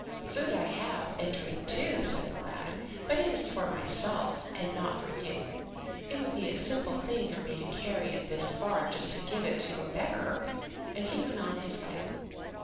"Food I have, and drink too," said the lad, "but it is for myself, and not for you. It would be a simple thing for me to carry it this far just to give it to a beggar"; and he went on his way.